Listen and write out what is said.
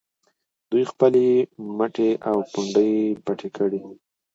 دوی خپلې مټې او پنډۍ پټې کړي.